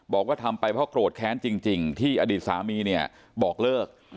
บอกว่าทำไปเพราะโกรธแค้นจริงที่อดีตสามีเนี่ยบอกเลิก